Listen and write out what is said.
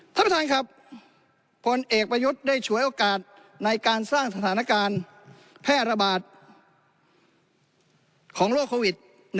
ท่านประธานครับผลเอกประยุทธ์ได้ฉวยโอกาสในการสร้างสถานการณ์แพร่ระบาดของโรคโควิด